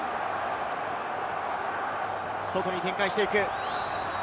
外に展開していく。